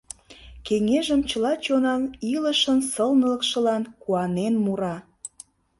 Кеҥежым чыла чонан илышын сылнылыкшылан куанен мура.